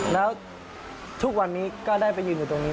แล้วทุกวันนี้ก็ได้ไปยืนอยู่ตรงนี้